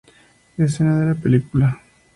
Escena de la película